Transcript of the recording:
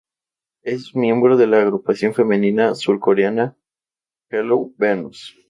Es miembro de la agrupación femenina surcoreana Hello Venus.